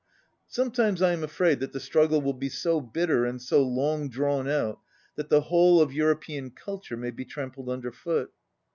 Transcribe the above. "Sometimes I am afraid tha!t the struggle will be so bitter and so long drawn out that the whole of European culture may be trampled under foot."